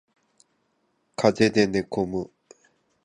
風邪で寝込む